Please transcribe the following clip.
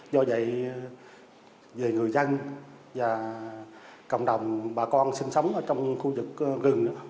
do vậy về người dân và cộng đồng bà con sinh sống ở trong khu vực rừng